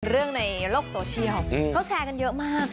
เรื่องในโลกโซเชียลเขาแชร์กันเยอะมาก